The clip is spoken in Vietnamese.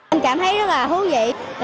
em cảm thấy rất là hú vị